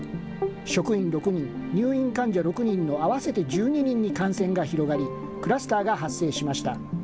職員６人、入院患者６人の合わせて１２人に感染が広がり、クラスターが発生しました。